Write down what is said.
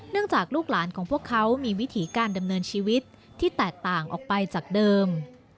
จากลูกหลานของพวกเขามีวิถีการดำเนินชีวิตที่แตกต่างออกไปจากเดิม